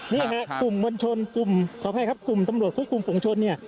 นี่ฮะกลุ่มมวลชนกลุ่มขออภัยครับกลุ่มตำรวจควบคุมฝุงชนเนี่ย